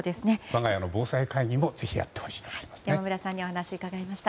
我が家の防災会議もぜひやってほしいです。